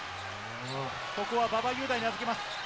ここは馬場雄大に預けます。